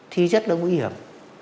thì rất là nguy hiểm